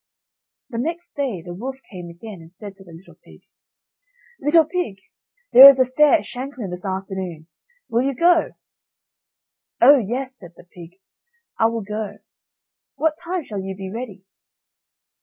The next day the wolf came again, and said to the little pig: "Little pig, there is a fair at Shanklin this afternoon, will you go?" "Oh yes," said the pig, "I will go; what time shall you be ready?"